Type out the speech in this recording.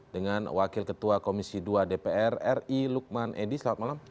dengan wakil ketua komisi dua dpr ri lukman edi selamat malam